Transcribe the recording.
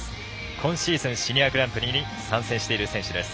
今シーズン、シニアグランプリに参戦している選手です。